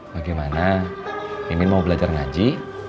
bagaimana ingin mau belajar ngaji